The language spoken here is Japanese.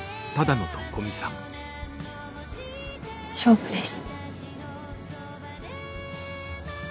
勝負です。